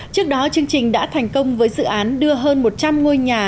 trước đó chương trình đã thành công với dự án đưa hơn một trăm linh ngôi nhà